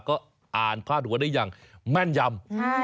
ก็อ่านภาพหัวได้ยังแม่นยาม